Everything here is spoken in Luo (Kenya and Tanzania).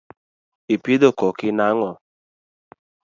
Ipidho koki nang’o?